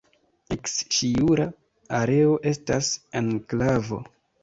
Eks-Ŝiura areo estas enklavo.